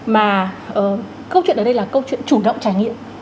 mà câu chuyện ở đây là câu chuyện chủ động trải nghiệm